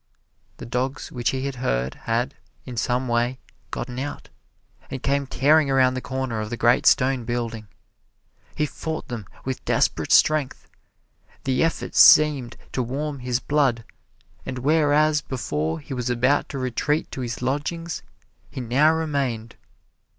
The dogs which he had heard had, in some way, gotten out, and came tearing around the corner of the great stone building. He fought them with desperate strength. The effort seemed to warm his blood, and whereas before he was about to retreat to his lodgings he now remained.